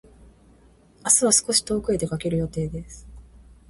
明日は少し遠くへ出かける予定です。